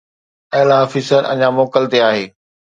اعليٰ آفيسر اڃا موڪل تي آهي.